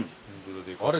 あれ？